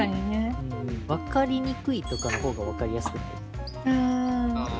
わかりにくいとかの方がわかりやすくない？